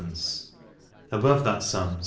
above that sum, 6d.